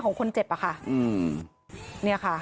ของคนเจ็บอ่ะอือนี่ค่ะ